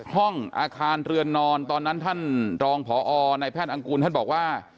ห้องอาคารเรือนนอนตอนนั้นท่านรองพอในแพทย์อังกูลท่านบอกว่า